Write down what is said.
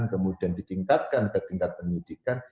kemudian ditingkatkan ke tingkat penyidikan